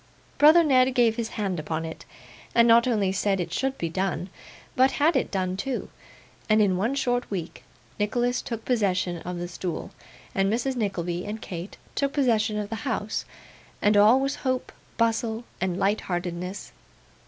Brother Ned gave his hand upon it, and not only said it should be done, but had it done too; and, in one short week, Nicholas took possession of the stool, and Mrs. Nickleby and Kate took possession of the house, and all was hope, bustle, and light heartedness.